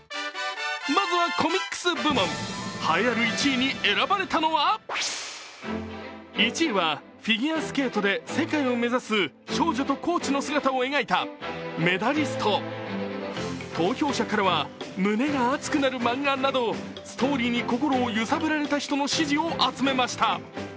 まずはコミックス部門栄えある１位に選ばれたのは１位はフィギュアスケートで世界を目指す少女とコーチの姿を描いた「メダリスト」投票者からは胸が熱くなる漫画などストーリーに心を揺さぶられた人の支持を集めました。